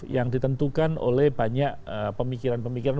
yang ditentukan oleh banyak pemikiran pemikiran